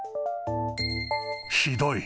ひどい。